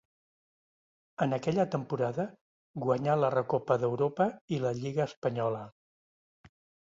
En aquella temporada guanyà la Recopa d'Europa i la Lliga espanyola.